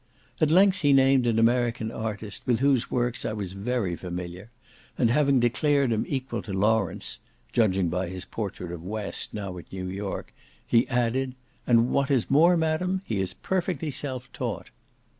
At length he named an American artist, with whose works I was very familiar, and after having declared him equal to Lawrence (judging by his portrait of West, now at New York), he added, "and what is more, madam, he is perfectly self taught."